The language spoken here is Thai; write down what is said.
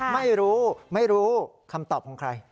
ไม่รู้ไม่รู้คำตอบของใคร